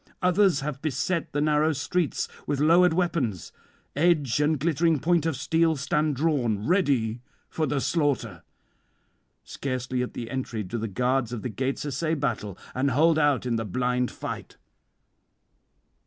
Others have beset the narrow streets with lowered weapons; edge and glittering point of steel stand drawn, ready for the slaughter; scarcely at the entry do the guards of the gates essay battle, and hold out in the blind fight."